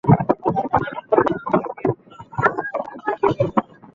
Echidna আজ কাউকে বন্দী করবে না!